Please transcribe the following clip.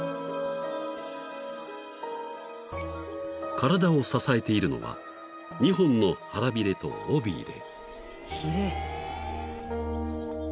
［体を支えているのは２本の腹びれと尾びれ］